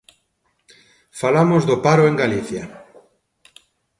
Falamos do paro en Galicia.